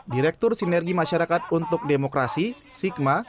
direktur sinergi masyarakat untuk demokrasi sigma